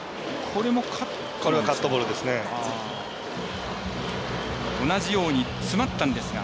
これはカットボールですね。